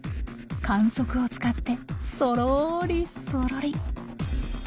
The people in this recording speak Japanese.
管足を使ってそろりそろり。